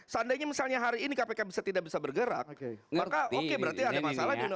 seandainya misalnya hari ini kpk bisa tidak bisa bergerak oke maka oke berarti ada masalah